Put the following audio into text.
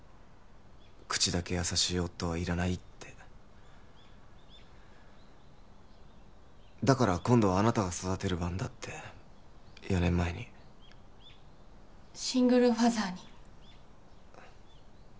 「口だけ優しい夫はいらない」って「だから今度はあなたが育てる番だ」って４年前にシングルファザーに？